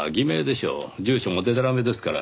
住所もでたらめですから。